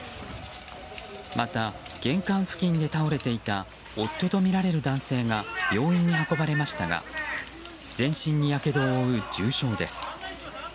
また玄関付近で倒れていた夫とみられる男性が病院に運ばれましたが全身にやけどを負う重傷です。